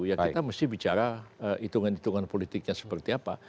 ya kita mesti bicara hitungan hitungan politiknya seperti apa